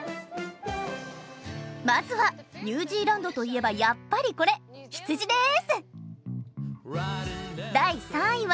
まずはニュージーランドといえばやっぱりこれ羊です。